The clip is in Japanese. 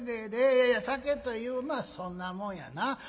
いやいや酒というのはそんなもんやな。